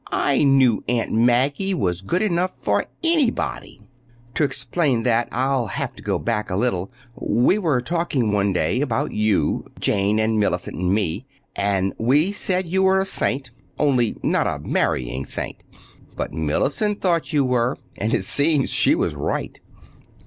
I knew Aunt Maggie was good enough for anybody!" To explain that I'll have to go back a little. We were talking one day about you—Jane and Mellicent and me—and we said you were a saint, only not a marrying saint. But Mellicent thought you were, and it seems she was right.